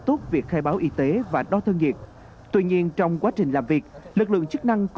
tốt việc khai báo y tế và đo thân nhiệt tuy nhiên trong quá trình làm việc lực lượng chức năng của